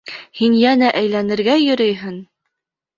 Һин йәнә әйләнергә йөрөйһөң!